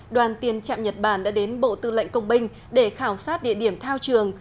đoàn tiền trạm nhật bản đã đến bộ tư lệnh công binh để khảo sát địa điểm thao trường